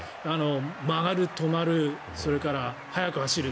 曲がる、止まるそれから速く走る。